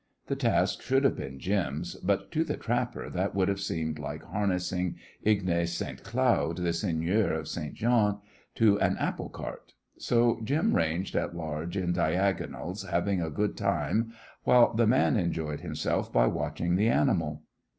The task should have been Jim's, but to the trapper that would have seemed like harnessing Ignace St. Cloud, the seigneur of Ste. Jeanne, to an apple cart. So Jim ranged at large in diagonals having a good time, while the man enjoyed himself by watching the animal.